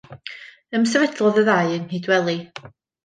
Ymsefydlodd y ddau yng Nghydweli.